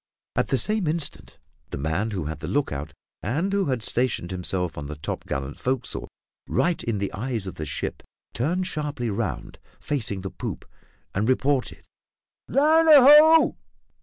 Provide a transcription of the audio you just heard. At the same instant, the man who had the lookout, and who had stationed himself on the topgallant forecastle, right in the eyes of the ship, turned sharply round, facing the poop, and reported "Land ho!